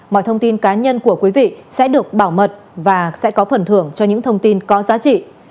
mọi thông tin cá nhân của quý vị sẽ được bảo mật và sẽ có phần thưởng cho những thông tin có giá trị